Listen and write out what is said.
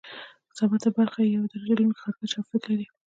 ثابته برخه یې یو درجه لرونکی خط کش او فک لري.